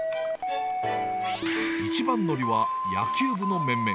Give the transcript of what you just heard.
一番乗りは野球部の面々。